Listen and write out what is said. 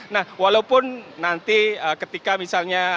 nah walaupun nanti ketika misalnya